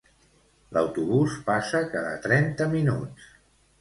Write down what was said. L'autobús passa cada trenta minuts